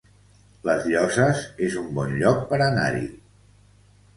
Les Llosses es un bon lloc per anar-hi